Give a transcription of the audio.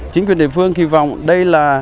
chính quyền địa phương kỳ vọng đây là